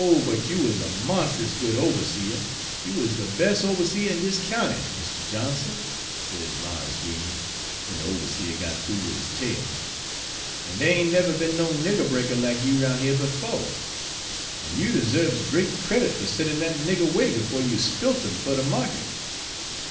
but you is a monst'us good oberseah; you is de bes' oberseah in dis county, Mistah Johnson,' sez Mars Jeems, w'en de oberseah got th'oo wid his tale; 'en dey ain' nebber be'n no nigger breaker lack you roun' heah befo'. En you desarbes great credit fer sendin' dat nigger 'way befo' you sp'ilt 'im fer de market.